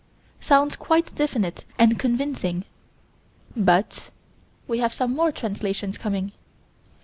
Sounds quite definite and convincing but we have some more translations coming.